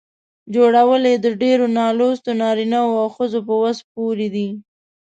جوړول یې د ډېرو نالوستو نارینه وو او ښځو په وس پوره دي.